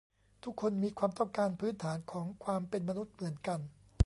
ทุกคนมีความต้องการพื้นฐานของความเป็นมนุษย์เหมือนกัน